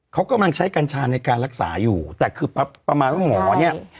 เขากำลังใช้กัญชาในการรักษาอยู่แต่คือประมาณว่าหมอเนี่ย